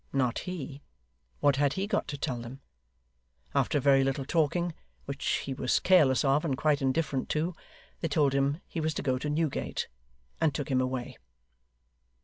Not he. What had he got to tell them? After a very little talking, which he was careless of and quite indifferent to, they told him he was to go to Newgate, and took him away.